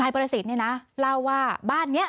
ประสิทธิ์เนี่ยนะเล่าว่าบ้านนี้